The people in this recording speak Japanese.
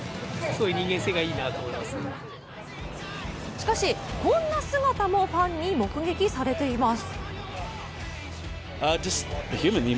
しかし、こんな姿もファンに目撃されています。